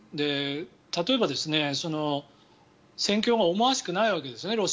例えば、戦況が思わしくないわけですね。